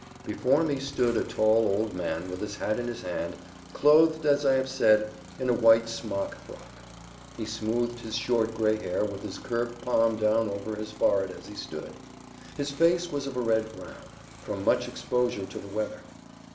Before me stood a tall old man with his hat in his hand, clothed as I have said, in a white smock frock. He smoothed his short gray hair with his curved palm down over his forehead as he stood. His face was of a red brown, from much exposure to the weather.